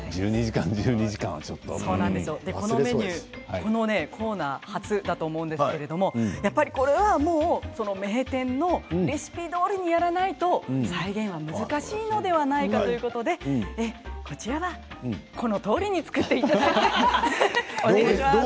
このコーナー初だと思うんですけどこれはもう名店のレシピどおりにやらないと再現は難しいのではないかということでこちらは、このとおりに作っていただきます。